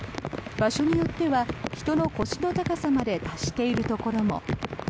場所によっては人の腰の高さまで達しているところも。